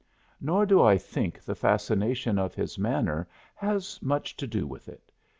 Nor do I think the fascination of his manner has much to do with it.